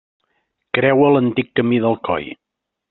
Creua l'antic camí d'Alcoi.